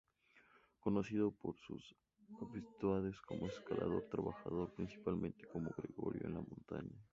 Conocido por sus aptitudes como escalador, trabajando principalmente como gregario en la montaña.